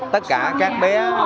tất cả các bé